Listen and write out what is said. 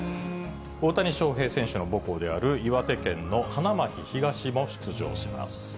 大谷翔平選手の母校である岩手県の花巻東も出場します。